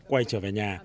quay trở về nhà